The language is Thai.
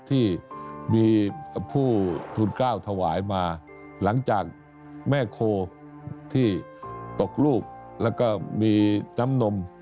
ที่มีผู้ทุนกล้าวถวายมาหลังจากแม่โคที่ตกลูกแล้วก็มีน้ำนม